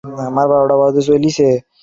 আমার বারোটা বাজতে চলেছে।